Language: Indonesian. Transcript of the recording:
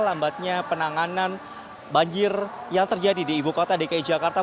lambatnya penanganan banjir yang terjadi di ibu kota dki jakarta